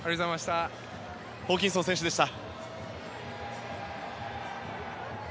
ホーキンソン選手でした。